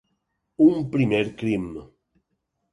Un primer crim.